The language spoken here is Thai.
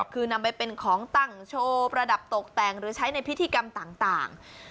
คือนำไปเป็นของตั้งโชว์ประดับตกแต่งหรือใช้ในพิธีกรรมต่าง